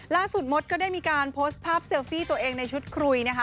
มดก็ได้มีการโพสต์ภาพเซลฟี่ตัวเองในชุดคุยนะคะ